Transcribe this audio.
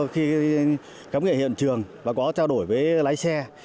tại hiện trường và có trao đổi với lái xe